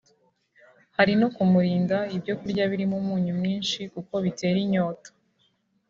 Hari no kumurinda ibyo kurya birimo umunyu mwinshi kuko bitera inyota